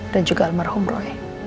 dan juga almarhum roy